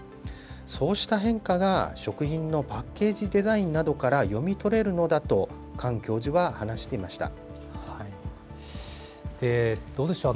そうした変化が、食品のパッケージデザインなどから読み取れるのだと、カン教授はどうでしょう。